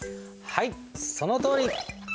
はいそのとおり。